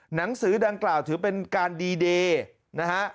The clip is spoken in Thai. หนังสือดังกล่าวถือเป็นการดีเดย์นะฮะ